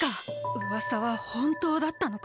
うわさはほんとうだったのか。